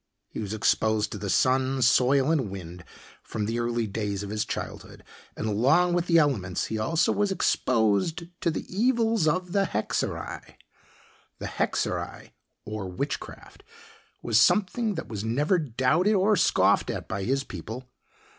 He was exposed to the sun, soil, and wind from the early days of his childhood, and along with the elements he also was exposed to the evils of the hexerei. The hexerei, or witchcraft, was something that was never doubted or scoffed at by his people.